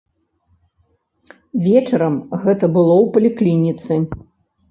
Вечарам гэта было ў паліклініцы.